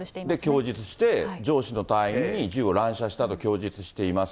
供述して、上司の隊員に銃を乱射したと供述しています。